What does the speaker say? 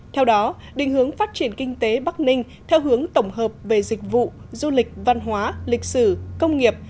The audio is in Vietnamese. theo đó định hướng phát triển kinh tế bắc ninh theo hướng tổng hợp về dịch vụ du lịch văn hóa lịch sử công nghiệp